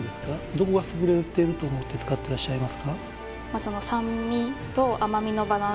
どこが優れてると思って使ってらっしゃいますか？